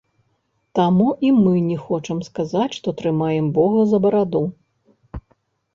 Таму і мы не хочам сказаць, што трымаем бога за бараду.